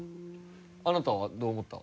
あなたはどう思った？